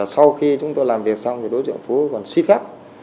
sau khi chúng tôi làm việc xong thì đối tượng phú còn suy phép